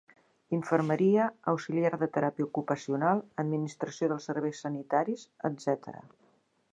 Infermeria, Auxiliar de teràpia ocupacional, Administració dels serveis sanitaris, etc.